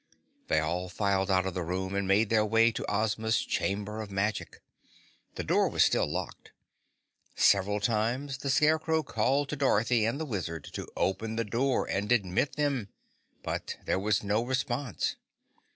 They all filed out of the room and made their way to Ozma's Chamber of Magic. The door was still locked. Several times the Scarecrow called to Dorothy and the Wizard to open the door and admit them, but there was no response.